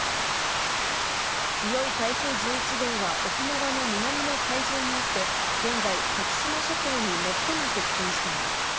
強い台風１１号は、沖縄の南の海上にあって、現在、先島諸島に最も接近しています。